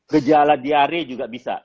gejala diare juga bisa